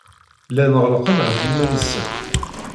Llan ɣellqen ɣef yiman-nsen.